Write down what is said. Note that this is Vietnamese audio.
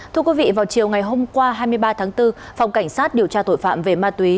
thưa quý vị vào chiều ngày hôm qua hai mươi ba tháng bốn phòng cảnh sát điều tra tội phạm về ma túy